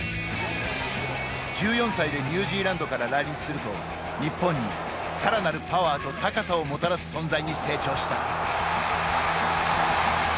１４歳でニュージーランドから来日すると日本に、さらなるパワーと高さをもたらす存在に成長した。